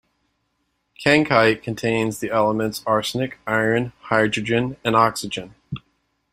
Kankite contains the elements arsenic, iron, hydrogen and oxygen.